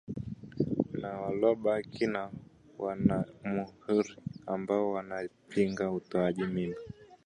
na walobaki ni Wanajamuhuri ambao wanapinga utoaji mimba